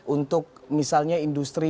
untuk misalnya industri